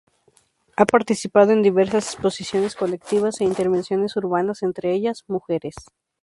Ha participado en diversas exposiciones colectivas e intervenciones urbanas, entre ellas: "Mujeres".